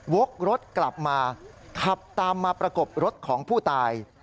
กรถกลับมาขับตามมาประกบรถของผู้ตาย